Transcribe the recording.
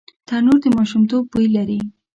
تنور د ماشومتوب بوی لري